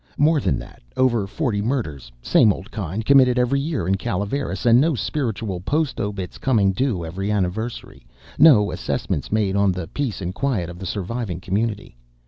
More than that, over forty murders, same old kind, committed every year in Calaveras, and no spiritual post obits coming due every anniversary; no assessments made on the peace and quiet of the surviving community.